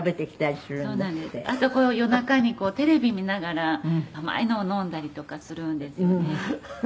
「あと夜中にこうテレビ見ながら甘いのを飲んだりとかするんですよね」